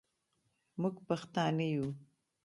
موږ پښتانه یو